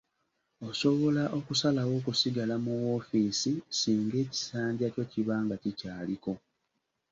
Osobola okusalawo okusigala mu woofiisi singa ekisanja kyo kiba nga kikyaliko.